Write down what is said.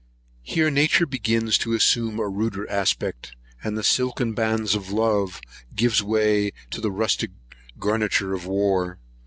Here nature begins to assume a ruder aspect; and the silken bands of love gives way to the rustic garniture of war.